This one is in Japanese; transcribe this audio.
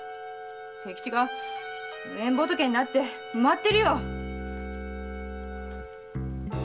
清吉が無縁仏になって埋まってるよ！